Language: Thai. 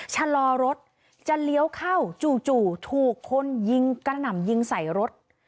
ชะลอรถจะเลี้ยวเข้าจู่ถูกคนยิงกระหน่ำยิงใส่รถ